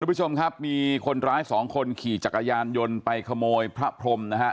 คุณผู้ชมครับมีคนร้าย๒คนขี่จักรยานยนต์ไปขโมยพระพรม